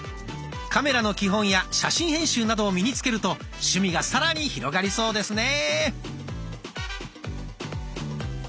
カメラの基本や写真編集などを身につけると趣味がさらに広がりそうですね。